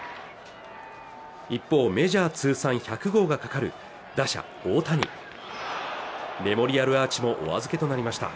一方メジャー通算１００号がかかる打者・大谷メモリアルアーチもお預けとなりました